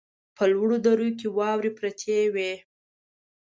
په لوړو درو کې واورې پرتې وې.